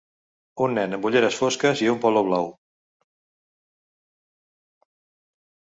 Un nen amb ulleres fosques i un polo blau.